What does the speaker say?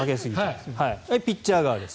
ピッチャー側です。